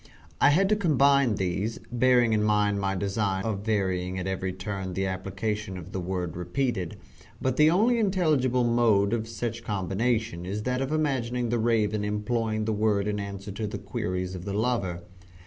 I had to combine these, bearing in mind my design of varying at every turn the application of the word repeated, but the only intelligible mode of such combination is that of imagining the Raven employing the word in answer to the queries of the lover.